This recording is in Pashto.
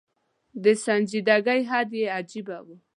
د سنجیدګۍ حد یې عجېبه و.